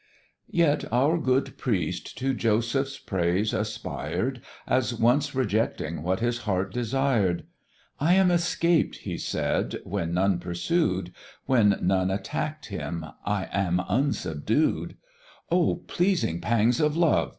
Yet our good priest to Joseph's praise aspired, As once rejecting what his heart desired; "I am escaped," he said, when none pursued; When none attack'd him, "I am unsubdued;" "Oh pleasing pangs of love!"